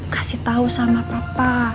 kasih tau sama papa